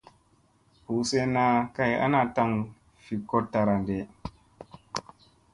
Buu senna kay ana taŋ fi koɗ taɗa ɗee.